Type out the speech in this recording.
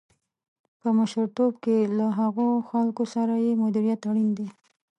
په مشرتوب کې له هغو خلکو سره یې مديريت اړين دی.